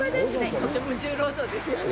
とても重労働ですよね。